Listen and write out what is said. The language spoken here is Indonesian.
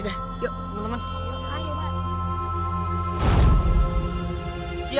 dan kesal selama ini